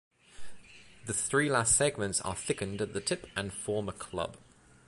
The three last segments are thickened at the tip and form a club.